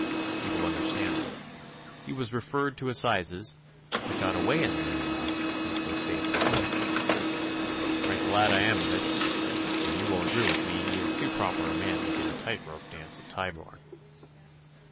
You will understand me. He was referred to assizes, but got away in the meanwhile, and so saved his neck. Right glad I am of it, for you will agree with me that he is too proper a man to give a tight rope dance at Tyburn.